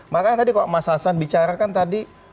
makanya tadi kok mas hasan bicarakan tadi